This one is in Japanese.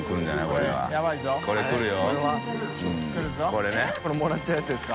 これもらっちゃうやつですか？